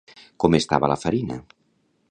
Com estava la farina?